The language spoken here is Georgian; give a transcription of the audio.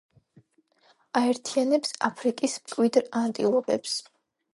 აერთიანებს აფრიკის მკვიდრ ანტილოპებს.